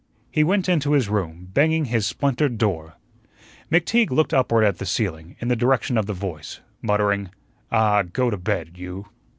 He went into his room, banging his splintered door. McTeague looked upward at the ceiling, in the direction of the voice, muttering: "Ah, go to bed, you."